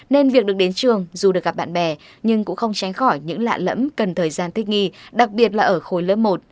nên việc được đến trường dù được gặp bạn bè nhưng cũng không tránh khỏi những lạ lẫm cần thời gian thích nghi đặc biệt là ở khối lớp một